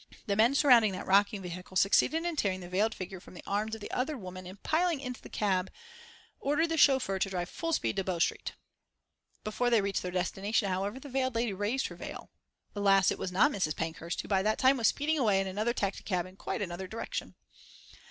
The men surrounding that rocking vehicle succeeded in tearing the veiled figure from the arms of the other women and piling into the cab ordered the chauffeur to drive full speed to Bow Street. Before they reached their destination, however, the veiled lady raised her veil alas, it was not Mrs. Pankhurst, who by that time was speeding away in another taxicab in quite another direction.